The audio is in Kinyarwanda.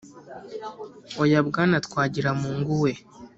Oya, Bwana Twagiramungu we,